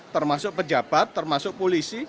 termasuk pejabat termasuk polisi